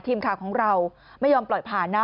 ทีมข่าวของเราไม่ยอมปล่อยผ่านนะ